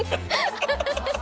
ハハハハ。